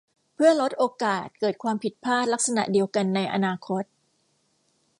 เพื่อลดโอกาสเกิดความผิดพลาดลักษณะเดียวกันในอนาคต